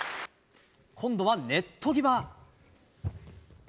今度はネット際。